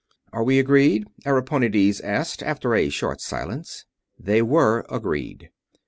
"Are we agreed?" Ariponides asked, after a short silence. They were agreed.